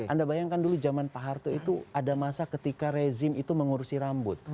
anda bayangkan dulu zaman pak harto itu ada masa ketika rezim itu mengurusi rambut